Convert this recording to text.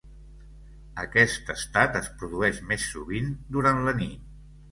Aquest estat es produeix més sovint durant la nit.